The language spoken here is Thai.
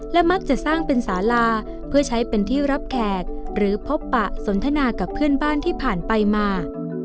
และมักจะสร้างเป็นสาลาเพื่อใช้เป็นที่รับแขกหรือพบปะสนทนากับเพื่อนบ้านที่ผ่านไปมา